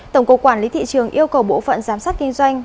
tổng cục quản lý thị trường yêu cầu bộ phận giám sát kinh doanh